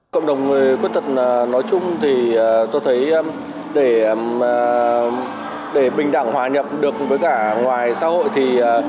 cộng đồng người khuyết tật nói chung thì tôi thấy để bình đẳng hòa nhập được với cả ngoài xã hội thì